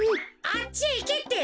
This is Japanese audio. あっちへいけって！